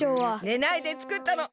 ねないでつくったの。